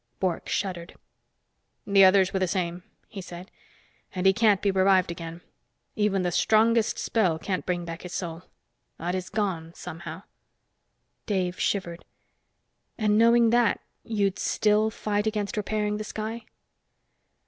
Bork shuddered. "The others were the same," he said. "And he can't be revived again. Even the strongest spell can't bring back his soul. That is gone, somehow." Dave shivered. "And knowing that, you'd still fight against repairing the sky?"